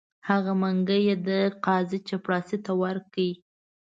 هغه منګی یې د قاضي چپړاسي ته ورکړ.